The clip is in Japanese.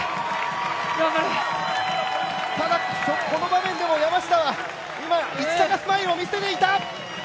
ただこの場面でも山下は今、イチタカスマイルを見せていた！